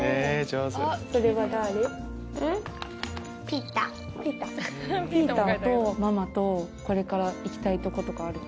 ピーターとママとこれから行きたいとことかある？